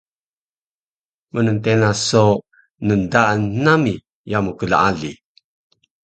mntena so ndaan nami yamu klaali